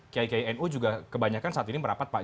kiknu juga kebanyakan saat ini merapat